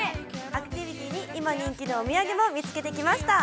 アクティビティーに、今人気のお土産も見つけてきました。